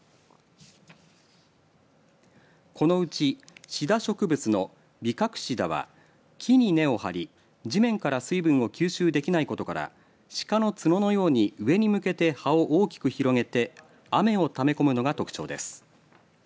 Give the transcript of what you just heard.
このうちシダ植物のビカクシダは木に根をはり、地面から水分を吸収できないことから鹿の角のように上に向けて葉を大きく広げて雨をため込むのが特徴です。